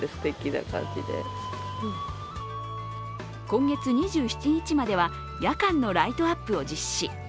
今月２７日までは夜間のライトアップを実施。